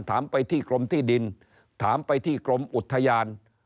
ถามไปที่กรมที่ดินถามไปที่กรมอุทยาน